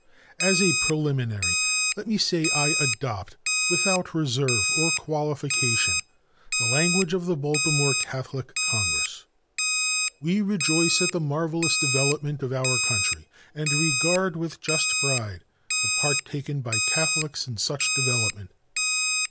"As a preliminary let me say I adopt without reserve or qualification the language of the Baltimore Catholic Congress: 'We rejoice at the marvellous development of our country, and regard with just pride the part taken by Catholics in such development.